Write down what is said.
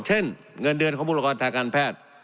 เช่นเงินเดือนของบุรกรทางการแพทย์